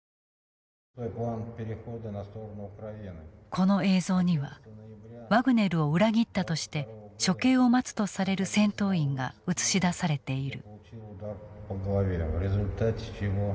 この映像にはワグネルを裏切ったとして処刑を待つとされる戦闘員が映し出されている。